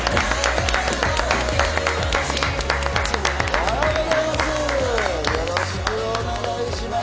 おはようございます。